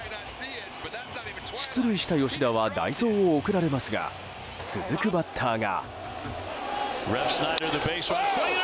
出塁した吉田は代走を送られますが続くバッターが。